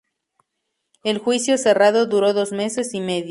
El juicio cerrado duró dos meses y medio.